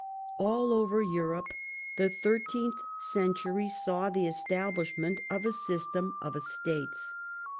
All over Europe the thirteenth century saw the establishment of a system of estates.